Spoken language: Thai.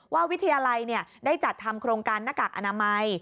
วิทยาลัยได้จัดทำโครงการหน้ากากอนามัย